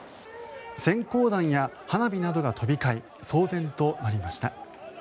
閃光弾や花火などが飛び交い騒然となりました。